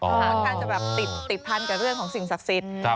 ค่อนข้างจะแบบติดพันกับเรื่องของสิ่งศักดิ์สิทธิ์